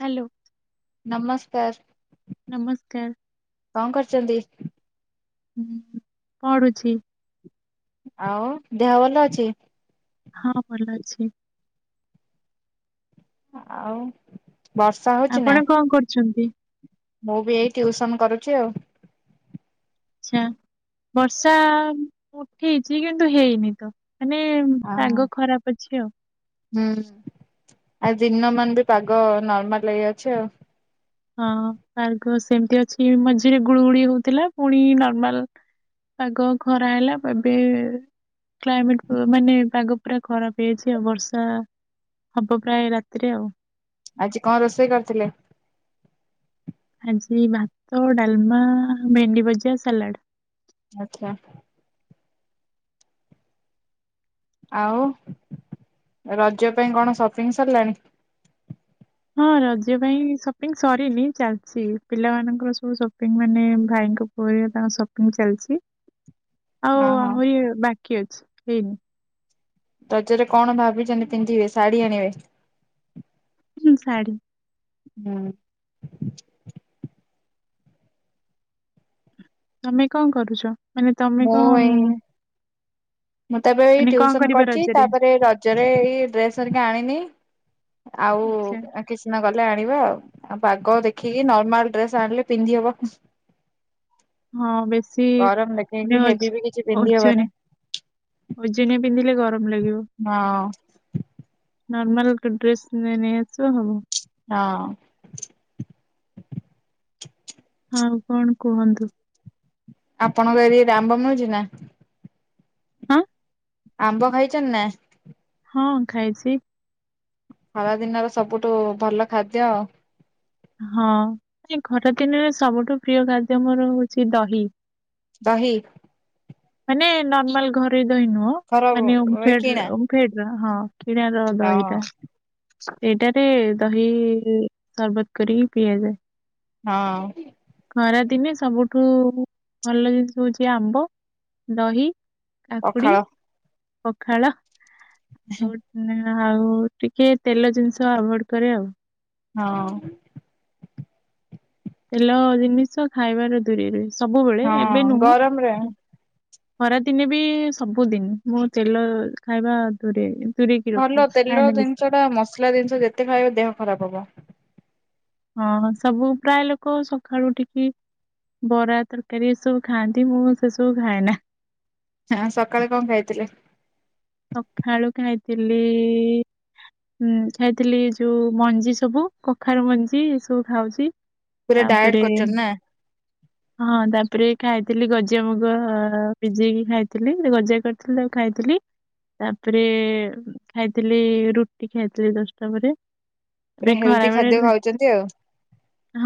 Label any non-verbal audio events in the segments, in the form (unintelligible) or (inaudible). Hello. ନମସ୍କାର। ନମସ୍କାର। କଣ କରୁଚନ୍ତି? ହୁଁ ଉଁ ଉ ପଢ଼ୁଛି। ଆଉ ଦେହ ଭଲ ଅଛି? ହଁ ଭଲ ଅଛି। ଆଉ ବର୍ଷା ହଉଛି ନା? ଆପଣ କଁ କରୁଛନ୍ତି? ମୁଁ ବି ଏଇ ଟ୍ୟଉସନ କରୁଚି ଆଉ। ଆଚ୍ଛା ବର୍ଷା ଉଠେଇଚି କିନ୍ତୁ ହେଇନି ତ। ମାନେ ହଁ ପାଗ ଖରାପ ଅଛି ଆଉ। ହୁଁ ଆଉ ଦିନ ମାନ ବି ପାଗ ନର୍ମାଲ ଏଇ ଅଛି ଆଉ। ହଁ ଆର୍ଗ ସେମତି ଅଛି ମଝିରେ ଗୁଳୁ ଗୁଳି ହଉଥିଲା ପୁଣି ନର୍ମାଲ୍। ପାଗ ଖରା ହେଲା ପ ଏବେ କ୍ଲାଇମେଣ୍ଟ୍ ପ ମାନେ ପାଗ ପୁରା ଖରାପ ହେଇଯାଇଛି ଆଉ ବର୍ଷା ହବ ପ୍ରାୟେ ରାତିରେ ଆଉ। ଆଜି କଁ ରୋଷେଇ କରିଥିଲେ? ଆଜି ଭାତ ଡାଲମା ଭେଣ୍ଡି ଭଜା ସାଲାଡ୍। ଆଚ୍ଛା। ଆଉ ରଜ ପାଇଁ କଣ ସପିଙ୍ଗ ସରିଲାଣି? ହଁ ରଜ ପାଇଁ ସପିଙ୍ଗ୍ ସରିନି ଚାଲଛି ପିଲାମାନଙ୍କର ସବୁ ସପିଙ୍ଗ୍ ମାନେ ଭାଇଙ୍କୁ ହୁଏ ତାଙ୍କ ସପିଂ ଚାଲଚି। ଅଁ ହଁ। (unintelligible) ବାକି ଅଛି ହେଇନି। ରଜରେ କଣ ଭାବିଚନ୍ତି ପିନ୍ଧିବେ ଶାଢ଼ୀ ଆଣିବେ? ହୁଁ ଶାଢୀ। ହୁଁ। ତମେ କଣ କରୁଚ ମାନେ ତମେ ମୁଁ ଏଇ କଣ? ମୁଁ ତଏ ବେ ଏଇ ମାନେ କଣ ଟ୍ୟୁସନ କରିବ କରିଚି ରଜରେ ତାପରେ ରଜରେ ଏଇ ଡ୍ରେସ୍ ହରିକା ଆଣିନି। ଆଉ ଆଚ୍ଛା ଏଁ କିଏ ସିନା ଗଲେ ଆଣିବ ଆଉ ପାଗ ଦେଖିକି ନର୍ମାଲ୍ ଡ୍ରେସ୍ ଆଣିଲେ ପିନ୍ଧି ହବ। ହଁ ବେଶୀ ଗରମ ଦେଖିକି ହେଭି (unintelligible) ବି କିଛି ପିନ୍ଧି ହବନି। ଓଜନ ଓଜନିଆ ପିନ୍ଧିଲେ ଗରମ ଲାଗିବ। ହଁ। ନର୍ମାଲ୍ ଗୋଟେ ଡ୍ରେସ୍ ମାନେ ନେଇ ଆସିବ ହବ। ହଁ। (inaudible) ଆଉ କଣ କୁହନ୍ତୁ? ଆପଣଙ୍କ ଏରିଆ ରେ ଆମ୍ବ ମିଳୁଚି ନା? ହାଁ? ଆମ୍ବ ଖାଇଚନ୍ତି ନା? ହଁ ଖାଇଚି। ଖରା ଦିନର ସବୁଠୁ ଭଲ ଖାଦ୍ୟ ଆଉ। ହଁ (unintelligible) ଖରା ଦିନରେ ସବୁଠୁ ପ୍ରିୟ ଖାଦ୍ୟ ମୋର ହଉଚି ଦହି। ଦହି। ମାନେ ନର୍ମାଲ ଘରେ ଦହି ନୁହଁ ଘର ମାନେ ଏ ଓମଫେର୍ଡ କିଣା ଓମ୍ ଫେଡ଼୍ର ହଁ କିଣା ର ହଁ ଦହିଟା। ସେଇଟାରେ ଦହି ସର୍ବତ କରିକି ପିଆଯାଏ। ହଁ। ଖରାଦିନେ ସବୁଠୁ ଭଲ ଜିନ୍ଷ ହଉଚି ଆମ୍ବ। ଦହି କାକୁଡି ପଖାଳ ପଖାଳ ଆଉ ନା ଆଉ ଟିକେ ତେଲ ଜିନିଷ ଆଭଏଡ କରେ ଆଉ। ହଁ। ତେଲ ଜିନିଷ ଖାଇବାରେ ଦୂରେଇ ରୁହେ ସବୁବେଳେ ହଁ ଏବେ ନୁହଁ। ଗରମରେ ଖରାଦିନେ ବି ସବୁଦିନି ମୁଁ ତେଲ ଖାଇବା ଦୂରେଇ ଦୂରେଇକି ଭଲ ରଖେ ତେଲ ଖାଏ ନାଲି। ଜିନିଷ ଟା ମସଲା ଜିନିଷ ଯେତେ ଖାଇବ ଦେହ ଖରାପ ହବ। ହଁ ସବୁ ପ୍ରାୟ ଲୋକ ସକାଳୁ ଉଠିକି ବରା ତରକାରୀ ଏ ସବୁ ଖାଆନ୍ତି ମୁଁ ସେସବୁ ଖାଏ ନା। ହଁ ସକାଳେ କଣ ଖାଇଥିଲେ। ସଖାଳୁ ଖାଇଥିଲି ଇ ହୁଁ ଖାଇଥିଲି ଯୋଉ ମଞ୍ଜି ସବୁ କଖାରୁ ମଞ୍ଜି ଏ ସବୁ ଖାଉଚି। ପୁରା ଡାଏଟ ତାପରେ କରୁଛନ୍ତି ନା ହଁ ତାପରେ ଖାଇଥିଲି ଗଜା ମୁଗ ଭିଜେଇକି ଖାଇଥିଲି ଗଜା କରିଥିଲି ତାକୁ ଖାଇଥିଲି। ତାପରେ ଖାଇଥିଲି ରୁଟି ଖାଇଥିଲି ଦଶଟା ପରେ। ପୁରା ଏବେ ଖରା ହେଲ୍ଦି ଖାଦ୍ୟ ବେଳେ ଖାଉଛନ୍ତି ଆଉ।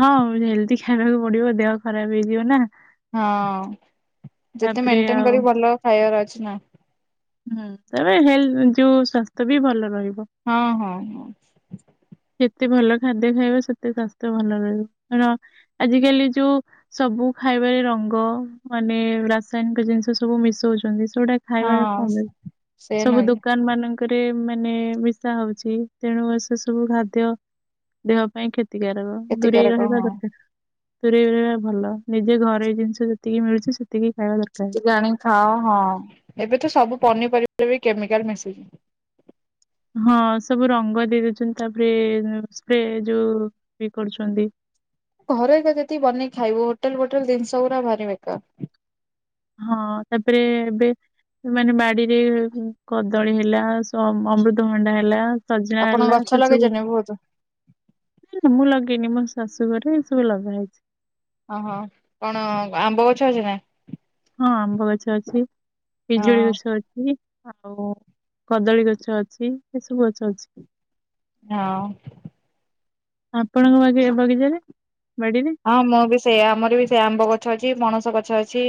ହଁ ହେଲ୍ଦି ଖାଇବାକୁ ପଡିବ ଦେହ ଖରାପ ହେଇଯିବ ନା। ହଁ ଯେତେ ତାପରେ ମେଣ୍ଟେନ ଆଉ କରି ଭଲ ଖାଇବାର ଅଛି ନା। ହୁଁ ତାପରେ ହେଲ ଯୋଉ ସ୍ୱାସ୍ଥ୍ୟ ବି ଭଲ ରହିବ। ହଁ ହଁ। ସେତେ ଭଲ ଖାଦ୍ୟ ଖାଇବ ସେତେ ସ୍ୱାସ୍ଥ୍ୟ ଭଲ ରହିବ ତାର ଆଜି କାଲି ଯୋଉ ସବୁ ଖାଇବାରେ ରଙ୍ଗ ମାନେ ରାସାୟନିକ ଜିନିଷ ସବୁ ମିଶଉଛନ୍ତି ସେଉଡା ଖାଇବାରେ ହଁ। କମ୍ ସେ ସବୁ ନୁହେଁ କି ଦୋକାନ ମାନ ରେ ମାନେ ମିଶା ହଉଚି ତେଣୁ ସେ ସବୁ ଖାଦ୍ୟ ଦେହ ପାଇଁ କ୍ଷ ତିକାରକ ଦୂରେଇ କ୍ଷତିକାରକ ରହିବା ହଁ ଦର୍କାର୍। ଦୂରେଇ ରହିବା ଭଲ ନିଜେ ଘରେୋଇ ଜିନ୍ଷ ଯେତିକି ମିଳୁଛି ସେ ତିକି ଖାଇବା ଦ ସେ ଜଣି ଖାଅ ହଁ ଏବେ ତ ସବୁ ପନିପରିବାରେ ବି କେମିକାଲ୍ ମିଶି ହଁ ସବୁ ରଙ୍ଗ ଦେଇଦଉଚନ୍ତି ତାପ୍ରେ ସ୍ପ୍ରେ ଯୋଉ ଇଏ କରୁଛନ୍ତି। ଘରେ ଏକା ଯେତିକି ବନେଇ ଖାଇବୁ ହୋଟେଲ ଫୋଟେଲ ଜିନ୍ଷ ଗୁରା ଭାରି ବେକାର୍। ହଁ ତାପ୍ରେ ଏବେ ମାନେ ବାଡିରେ କଦଳୀ ହେଲା ସମ୍ ଅମୃତଭଣ୍ଡା ହେଲା ସଜନା ଆପଣ ହେଲା ଗଛ ସେ ସବୁ ଲଗେଇଛନ୍ତି ବହୁତ ମୁଁ ଲଗେଇନି ମୋ ଶାଶୁ ଘରେ ଏ ସବୁ ଲଗା ହେଇଚି। ଅ‌ହ କଣ ଆମ୍ବ ଗଛ ଅଛି ନା? ହଁ ଆମ୍ବ ଗଛ ଅଛି ହଁ ପିଜୁଳି ଗଛ ଅଛି। ଆଉ କଦଳୀ ଗଛ ଅଛି ଏସବୁ ଗଛ ଅଛି। ଝାଉ। ଆପଣଙ୍କ ବଗି ବଗିଚାରେ ବାଡ଼ିରେ? ହଁ ମୁଁ ବି ସେଇଆ ଆମର ବି ସେଇଆ ଆମ୍ବ ଗଛ ଅଛି ପଣସ ଗଛ ଅଛି।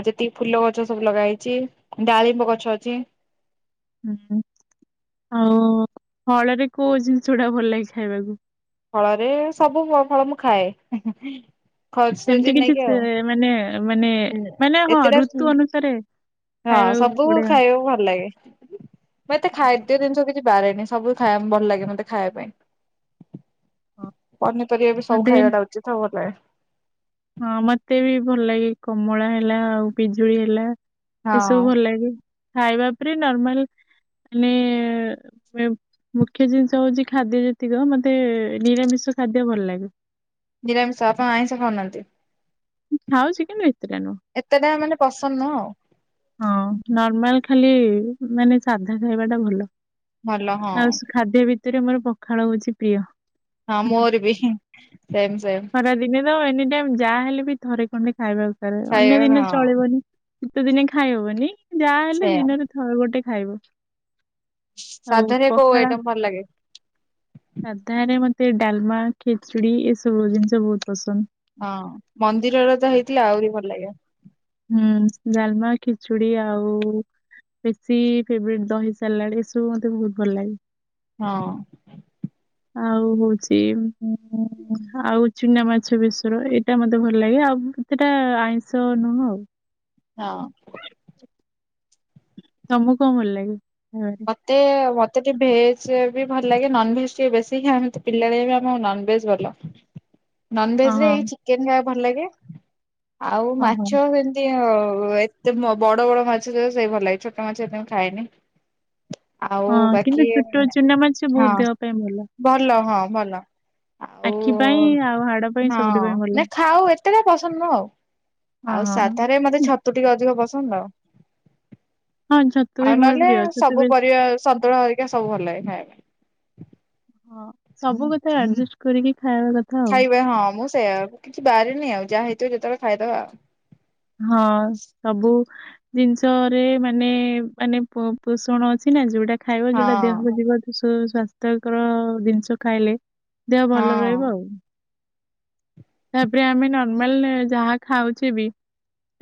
ଆଉ ଯେତିକି ଫୁଲ ଗଛ ସବୁ ଲଗା ହେଇଛି ଡାଳିମ୍ବ ଗଛ ଅଛି। ଉଁ ହୁଁ ଆଉ ଫଳରେ କୋଉ ଜିନିଷ ଗୁଡ଼ା ଭଲ ଲାଗେ ଖାଇବାକୁ? ଫଳରେ ସବୁ ଫଳ ଫଳ ମୁଁ ଖାଏ। ସେମିତି ଖର୍ଚ୍ଚ କିଛି ନେଇକି ଆଉ। ସେ ମାନେ ମାନେ ହୁଁ ମାନେ ହଁ ଏତେଟା ଋତୁ ଅନୁସାରେ ହଁ ଖାଇବାକୁ ସବୁ ବଢିଆ ଖାଇବାକୁ ଭଲ ଲାଗେ। ମୁଁ ଏତେ ଖାଦ୍ୟ ଜିନିଷ କିଛି ବାରେନି ସବୁୁ ଖାଇବା ଭଲ ଲାଗେ ମତେ ଖାଇବା ପାଇଁ। ପନିପରିବା ବି ସବୁ ଖାଇବା ଟା ଉଚିତ୍ ଆଉ ଭଲ ଲାଗେ। ହଁ ମତେ ବି ଭଲ ଲାଗେ କମଳା ହେଲା ଆଉ ପିଜୁଳି ହେଲା ଏସବୁ ହଁ ଭଲ ଲାଗେ ଖାଇବା ଉପରେ ନର୍ମାଲ୍ ମାନେ ମୁଖ୍ୟ ଜିନିଷ ହଉଛି ଖାଦ୍ୟ ଯେତିକ ମତେ ନିରାମିଷ ଖାଦ୍ୟ ଭଲ ଲାଗେ। ନିରାମିଷ ଆପଣ ଆଇଁଷ ଖାଉନାହାନ୍ତି? ଖାଉଛି କିନ୍ତୁ ଏତେଟା ନୁହଁ। ଏତେଟା ମାନେ ପସନ୍ଦ ନୁହଁ ଆଉ। ହଁ ନର୍ମାଲ ଖାଲି ମାନେ ସାଧା ଖାଇବା ଟା ଭଲ। ଭଲ ହଁ। ଆଉ ସ- ଖାଦ୍ୟ ଭିତେରେ ମୋର ପଖାଳ ହଉଛି ପ୍ରିୟ। ହଁ ମୋର ବି ସେମ୍ ସେମ୍। ଖରା ଦିନେ ତ ଏନି ଟାଇମ୍ ଯାହା ହେଲେ ବି ଥରେ ଖଣ୍ଡେ ଖାଇବାକୁସା ରେ ଅନ୍ୟ ଖାଇବା ଦିନେ ହଁ ଚଳିବନି। ଶୀତ ଦିନେ ଖାଇହବନି ଯାହା ହେଲେ ସେଇଆ। ଦିନରେ ଥରେ ଗୋଟେ ଖାଇବ। ଆଉ ସାଧାରେ କୋଉ ପଖାଳ ଆଇଟମ ଭଲ ଲାଗେ ସାଧାରେ ମତେ ଡ଼ାଲମା, ଖେଚୁଡ଼ି ଏସବୁ ଜିନିଷ ବହୁତ୍ ପସନ୍ଦ। ହଁ ମନ୍ଦିରର ତ ହେଇଥିଲେ ଆହୁରି ଭଲ ଲାଗିବ। ହୁଁ ଡାଲମା, ଖେଚୁଡ଼ି ଆଉ ବେଶୀ ଫେବରେଟ୍ ଦହି ସାଲାଡ୍ ଏସବୁ ମତେ ବହୁତ୍ ଭଲ ଲାଗେ। ହଁ। ଆଉ ହଉଛି ଆଉ ଚୁନା ମାଛ ବେସର ଏଇଟା ମତେ ଭଲ ଲାଗେ ଆଉ ସେଇଟା ଆଇଁଷ ନୁହଁ ଆଉ। ହଁ। ତମକୁ କଣ ଭଲ ଲାଗେ ଖାଇବା? ମତେ ମତେ ଟିକେ ଭେଜ୍ ରେ ବି ଭଲ ଲାଗେ ନନଭେଜ୍ ଟିକେ ବେଶୀ ଆମେତ ପିଲାଳିଆ ଆମ ନନ୍ଭେଜ ଭଲ। ନନଭେଜ୍ ରେ ଓହୋ ଏଇ ଚିକେନ୍ ଖାଇବାକୁ ଭଲ ଲାଗେ ଆଉ ଓହୋ ମାଛ ସେ (unintelligible) ଏତେ ବଡ଼ ବଡ଼ ମାଛ ତକ ସେଇ ଭଲ ଲାଗେ ଛୋଟ ମାଛ ଏତେ ମୁଁ ଖାଏନି। ଆଉ ହଁ କିନ୍ତୁ ବାକି ଛୋଟ ଚୁନା ମାଛ ବହୁତ୍ ହଁ ଦେହ ପାଇଁ ଭଲ। ଭଲ ହଁ ଭଲ। ଆଉ ଆଖି ପାଇଁ ହଁ ଆଉ ହାଡ ପାଇଁ ସବୁଠି ପାଇଁ ଭଲ ନା ଖାଉ ଏତେଟା ପସନ୍ଦ ନୁହଁ ଆଉ। ହଁ ଆଉ ସାଧାରେ ମତେ ହଁ ଛତୁ ଟିକେ ଅଧିକ ପସନ୍ଦ ଆଉ। ହଁ ଛତୁ ବି ଆଉ ମୋର ନହେଲେ ପ୍ରିୟ ଛ ସବୁ ପରିବା ସନ୍ତୁଳା ହେରିକା ସବୁ ଭଲ ଲାଗେ ଖାଇବା ପାଇଁ। ହଁ ସବୁ କଥା ଆଡ଼ଜେଷ୍ଟ୍ କରିକି ଖାଇବା କଥା। ଆଉ ଖାଇବେ ହଁ ମୁଁ ସେଇଆ କିଛି ବାରେନି ଆଉ ଯାହା ହେଇଥିବ ଯେତେବେଳେ ଖାଇଦବା ଆଉ‌। ହଁ ସବୁ। ଜିନିଷରେ ମାନେ ମାନେ ପୋ ପୋଷଣ ଅଛି ନା ଯୋଉଟା ଖାଇବା ଯୋଉଟା ହଁ। ଦେହକୁ ଯିବ ସ ସ୍ଵାସ୍ଥ୍ୟକର ଜିନିଷ ଖାଇଲେ। ଦେହ ଭଲ ହଁ ରହିବ ଆଉ। ତାପରେ ଆମେ ନର୍ମାଲ ଯାହା ଖାଉଛେ ବି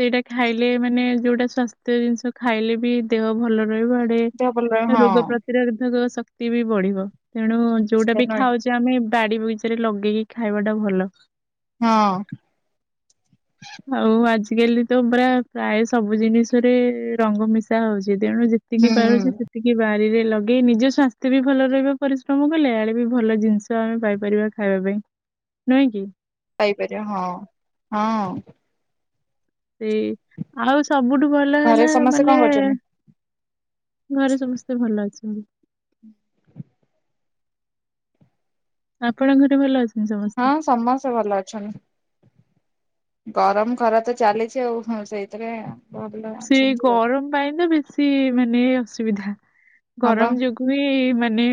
ସେଇଟା ଖାଇଲେ ମାନେ ଯୋଉଟା ସ୍ୱାସ୍ଥ୍ୟ ଜିନିଷ ଖାଇଲେ ବି ଦେହ ଭଲ ରହିବ। ଦେହ ଭଲ ରହ ତ ହଁ ରୋଗ ପ୍ରତିରୋଧକ ଶକ୍ତି ବି ବଢିବ ତେଣୁ ଯୋଉଟା ବି ଖାଉଛେ ଆମେ ବାଡି ବଗିଚାରେ ଲଗେଇକି ଖାଇବା ଟା ଭଲ। ହଁ ଆଉ ଆଜିକାଲି ତ ପୁରା ପ୍ରାୟ ସବୁ ଜିନିଷରେ ରଙ୍ଗ ମିଶା ହଉଛି ତେଣୁ ଯେତିକି ହୁଁ। ପାରୁଛ ସେ ସେତିକି ବାରିରେ ଲଗେଇ ନିଜ ସ୍ୱାସ୍ଥ୍ୟ ବି ଭଲ ରହିବ ପରିଶ୍ରମ କଲେ ଆଡେ ବି ଭଲ ଜିନିଷ ତ ଆମେ ପାଇପାରିବା ଖାଇବା ପାଇଁ ନୁହେଁ କି? ପାଇପାରିବା ହଁ ହଁ। ସେଇ ଆଉ ସବୁଠୁ ଭଲ ଘରେ ହେଲା ସମସ୍ତେ କଣ ମାନେ କରୁଛନ୍ତି? ଘରେ ସମସ୍ତେ ଭଲ ଅଛନ୍ତି। ଆପଣଙ୍କ ଘରେ ଭଲ ଅଛ? ହଁ ସମସ୍ତେ ଭଲ ଅଛନ୍ତି। ଗରମ ଖରା ତ ଚାଲିଛି ଆଉ ହଁ ସେଇଥିରେ ଭଲ ସେଇ ଅଛନ୍ତି ଆଉ। ଗରମ ପାଇଁ ତ ବେଶୀ ମାନେ ଅସୁବିଧା ହଁ ବା ଗରମ ଯୋଗୁ ହୁଏ ମାନେ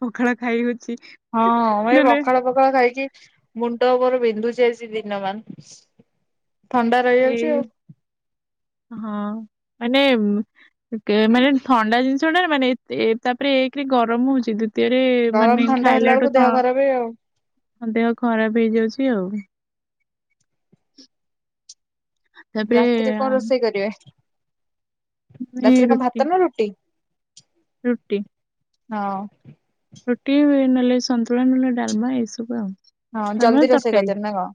ପଖାଳ ଖାଇ ହଉଛି। ହଁ ମୁଁ ଏ ନହେଲେ ପଖାଳ ପଖାଳ ଖାଇକି ମୁଣ୍ଡ ମୋର ବିନ୍ଧୁଛି ଆଜି ଦିନମାନ। ଥଣ୍ଡା ରହିଯାଉଛି ଆଉ। ସେଇ ହଁ ମାନେ ମାନେ ଥଣ୍ଡା ଜିନିଷଟା ମାନେ ଏ ତାପରେ ଏକରେ ଗରମ ହଉଛି। ଦ୍ୱିତୀୟରେ ଗରମ ମାନେ ଥଣ୍ଡା ହେଲା ବେଳକୁ ଖାଇଲାଠୁ ଦେହ ହଁ ଖରାପ ଆଉ। ହଁ ଦେହ ଖରାପ ହେଇଯାଉଛି ଆଉ। ତାପରେ ରାତିରେ କଣ ରୋଷେଇ କରିବେ ରାତିରେ କଣ ଭାତ ନା ରୁଟି? ରୁଟି। ହଁ ରୁଟି ନହେଲେ ସନ୍ତୁଳା ନହେଲେ ଡାଲମା ଏଇ ସବୁ ଆଉ ହଁ ଜଲ୍ଦି ଡ଼ାଲମା ରୋଷେଇ ତରକାରୀ। କରିଦେବେ ନା କଣ?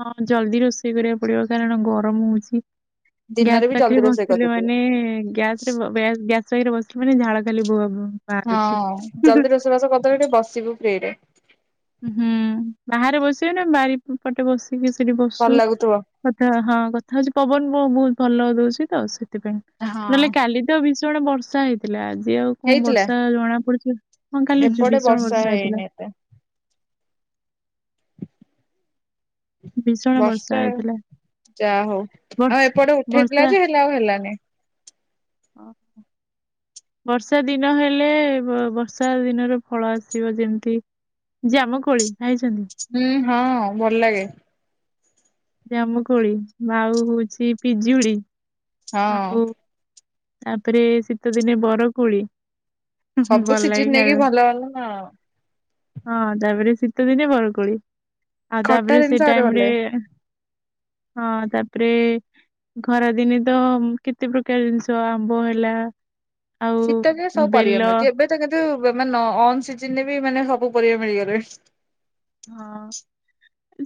ହଁ ଜଲଦି ରୋଷେଇ କରିବାକୁ ପଡିବ କାରଣ ଗରମ ହଉଛି। ଦିନରେ ଗ୍ୟାସ ବି ପାଖରେ ଜଲ୍ଦି ରୋଷେଇ ବସିଥିଲେ କରିଦେଇଥିବେ। ମାନେ ଗ୍ୟାସ ରେ ବ ଗ୍ୟାସ ସେଇଠି ବସିଲେ ମାନେ ଝାଳ ଖାଲି ବୁହେ ବାହାରୁଛି ଜଲଦି ରୋଷେଇବାସ କରିଦେଲେ ଟିକେ ବସିବୁ ଫ୍ରୀରେ। ହୁଁ ବାହାରେ ବସିବେ ନା ବାରି ପଟେ ବସିକି ସେଠି ଭଲ ବସୁ ଲାଗୁଥିବ। କଥା ହଁ କଥା ହଉଛି ପବନ ବହୁତ ଭଲ ଦଉଛି ତ ସେଥିପାଇଁ ହଁ ନହେଲେ କାଲି ତ ଭୀଷଣ ବର୍ଷା ହେଇଥିଲା ଆଜି ଆଉ କଣ ହେଇଥିଲା? ବର୍ଷା ଜଣା ପଡୁଛି। ହଁ କାଲି ଏପଟେ ଭୀଷଣ ବର୍ଷା ହେଇନି ହେଇଥିଲା। ଏତେ ଭୀଷଣ ବର୍ଷା ହେଇଥିଲା ଯାହା ହଉ ଆଉ ବର୍ଷା ଏପଟେ ଉଠେଇଥିଲା ବର୍ଷା ଯେ ହେଲା ଆଉ ହେଲାନି। ଅ ହ ବର୍ଷା ଦିନ ହେଲେ ବର୍ଷା ଦିନର ଫଳ ଆସିବ ଯେମିତି ଜାମୁକୋଳି ଖାଇଛନ୍ତି? ହୁଁ ହଁ ଭଲ ଲାଗେ। ଜାମୁକୁଳି ଆଉ ହଉଛି ପିଜୁଳି। ହଁ ଆଉ ତାପରେ ଶୀତଦିନେ ବରକୋଳି ସବୁ ଭଲ ଲାଗେ ସିଜିିନ ନେଇକି ଖାଇବା ଭଲ ଭଲ ନା ଆଉ। ହଁ ତାପରେ ଶୀତ ଦିନେ ବରକୋଳି, ଆଉ ଖଟା ତାପରେ ସେ ଜିନିଷ ଆହୁରି ଭଲ ଟାଇମରେ ଲାଗେ। ହଁ, ତାପରେ ଖରାଦିନେ ତ କେତେ ପ୍ରକାର ଜିନିଷ ତ ଆମ୍ବ ହେଲା ଆଉ ଶୀତ ଦିନେ ସବୁ ପରିବା ବେଲ ମିଳୁଛି ଏବେ ତ କିନ୍ତୁ ମାନେ ଅନ ସିଜନରେ ବି ମାନେ ସବୁ ପରିବା ମିଳିଗଲେଣି। ହଁ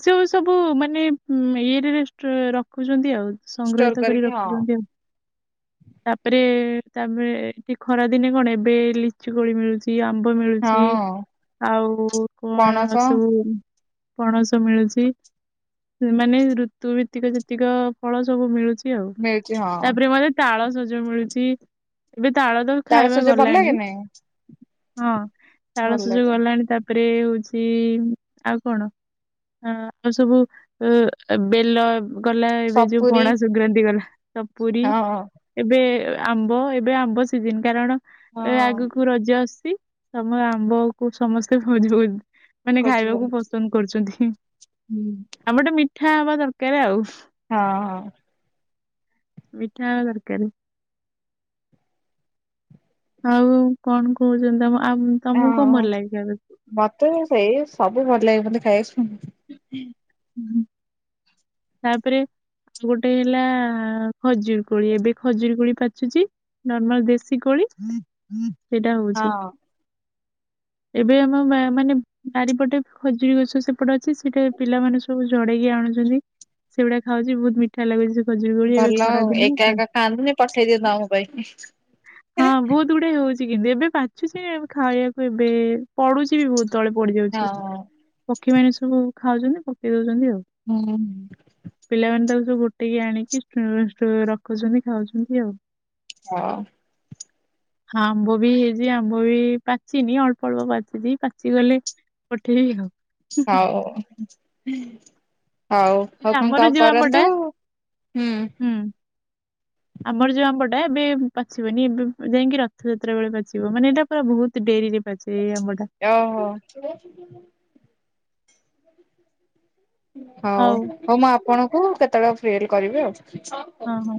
ଯଉ ସବୁ ମାନେ ଇଏରେ ରେଷ୍ଟ ରଖୁଛନ୍ତି ଆଉ ଷ୍ଟୋର ସଂଗ୍ରହିତ କରି କରିକି ହଁ ରଖୁଛନ୍ତି ଆଉ। ତାପରେ ତାପରେ ଏଠି ଖରାଦିନେ କଣ ଏବେ ଲି ଲିଚୁ କୋଳି ମିଳୁଛି ଆମ୍ବ ମିଳୁଛି ହଁ ଆଉ କଣ ପଣସ ସବୁ ପଣସ ମିଳୁଛି, ମାନେ ଋତୁ ଭିତ୍ତିକ ଯେତିକ ଫଳ ସବୁ ମିଳୁଛି। ଏମିତି ଆଉ ମିଳୁଛି ହଁ। ତାପରେ ମଧ୍ୟ ତାଳସଜ ମିଳୁଛି, ଏବେ ତାଳ ତ ଖାଇବା ସଜ ଭଲ ଗଲାଣି ଲାଗେନି ହଁ ଭଲ ତାଳସଜ ଲାଗେ ଗଲାଣି ତା ତାପରେ ହଉଛି ଆଉ କଣ? ଅ ଆଉ ସବୁ ଅ ବେଲ ଗଲା ଏବେ ଯୋଉ ସପୁରୀ ପଣା ସଂକ୍ରାନ୍ତି ଗଲା ସପୁରୀ, ହଁ ଏବେ ଆମ୍ବ ଏବେ ଆମ୍ବ ସିଜନ କାରଣ ଏବେ ହଁ। ଆଗକୁ ରଜ ଆସୁଛି। ତମ ଆମ୍ବକୁ ସମସ୍ତେ ଭଜି ମାନେ ଖାଇବାକୁ ପସନ୍ଦ କରୁଛନ୍ତି। ହୁଁ ଆମ୍ବଟା ମିଠା ହବା ଦରକାର ଆଉ। ହଁ ହଁ (unintelligible) ଦରକାରେ। ଆଉ କଣ କହୁଛନ୍ତି ତମ ତମକୁ ହଁ କଣ ହଁ। ଭଲ ଲାଗେ ଖାଇବାକୁ? ମତେ ସେଇ ସବୁ ଭଲ ଲାଗେ ମୋତେ ଖାଇବାକୁ (unintelligible) ହୁଁ ହୁଁ ତାପରେ ଗୋଟେ ହେଲା ଖଜୁର କୋଳି, ଏବେ ଖଜୁରି କୋଳି ପାଚୁଛି। ନର୍ମାଲ ଦେଶୀ କୋଳି, ସେଇଟା ହଉଛି। ହଁ। ଏବେ ଆମ ମାନେ ବାରିପଟେ ଖଜୁରୀ ଗଛ ସେପଟେ ଅଛି ସେଠି ପିଲାମାନେ ସବୁ ଝଡେଇକି ଆଣୁଛନ୍ତି। ସେଗୁଡା ଖାଉଛି ବହୁତ ମିଠା ମିଠା ଲାଗୁଛି ସେ ଖଜୁରୀ କୋଳି ଏବେ ଭଲ ଖରା ଆଉ ଦିନ ଏକା ତ। ଏକା ଖାଆନ୍ତୁନି ପଠେଇ ଦିଅନ୍ତୁ ଆମ ପାଇଁ। ହଁ ବହୁତ ଗୁଡେ ହଉଛି କିନ୍ତୁ ଏବେ ପାଚୁଛି ଖାଇବାକୁ ଏବେ ପଡୁଛି ବି ବହୁତ ତଳେ ପଡିଯାଉଛି, ହଁ। ପକ୍ଷୀମାନେ ସବୁ ଖାଉଛନ୍ତି ପକେଇଦଉଛନ୍ତି ଆଉ। ହୁଁଁହୁଁ ପିଲାମାନେ ତାକୁ ସବୁ ଗୋଟେଇକି ଆଣିକି ରଖୁଛନ୍ତି ଖାଉଛନ୍ତି ଆଉ। ହଁ (inaudible) ହଁ ଆମ୍ବ ବି ହେଇଛି ଆମ୍ବ ବି ପାଚିନି, ଅଳ୍ପ ଅଳ୍ପ ପାଚିଛି ପାଚିଗଲେ। ହଉ, ଠିକ ହଉ। ହଉ ହଉ ହୁଁ ହଉ ଏ କଣ ଆମର କଣ ଯୋଉ ଆମ୍ବଟା କରନ୍ତୁ, ହୁଁ ଆମର ଯୋଉ ଆମ୍ବଟା ଏବେ ପାଚିବନି ଏବେ ଯାଇକି ରଥଯାତ୍ରା ବେଳେ ପାଚିବ ମାନେ ଏଇଟା ପୁରା ବହୁତ ଡେରିରେ ପାଚେ ଏ ଆମ୍ବଟା। ଅହ ହଉ ହଉ ମୁଁ ଆପଣଙ୍କୁ କେତେବେଳେ ଫ୍ରି ହେଲେ କରିବି ଆଉ। ହଁ ହଁ